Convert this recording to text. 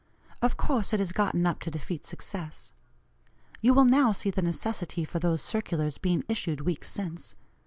Of course it is gotten up to defeat success. You will now see the necessity for those circulars being issued weeks since.